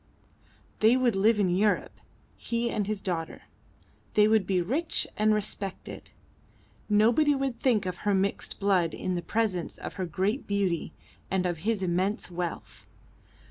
They would live in Europe, he and his daughter. They would be rich and respected. Nobody would think of her mixed blood in the presence of her great beauty and of his immense wealth.